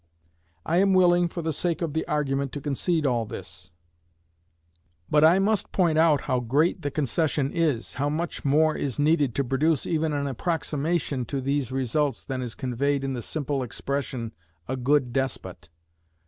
I am willing, for the sake of the argument, to concede all this, but I must point out how great the concession is, how much more is needed to produce even an approximation to these results than is conveyed in the simple expression, a good despot.